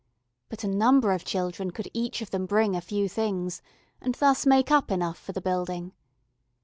But a number of children could each of them bring a few things, and thus make up enough for the building.